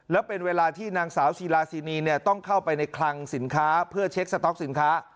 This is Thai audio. แล้วเป็นเวลาที่นางสาวซีลาซีนีต้องเข้าไปในคลังสินค้าเพื่อเช็คสต๊อกสินค้า